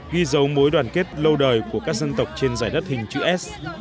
ghi dấu mối đoàn kết lâu đời của các dân tộc trên giải đất hình chữ s